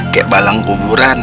kayak balang kuburan